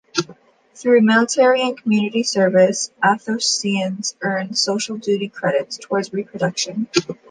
Through military and community service, Athosians earn "Social Duty Credits" towards reproduction.